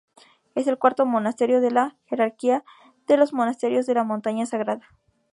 Es el cuarto monasterio de la jerarquía de los monasterios de la Montaña Sagrada.